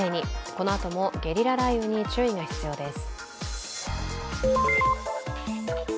このあともゲリラ雷雨に注意が必要です。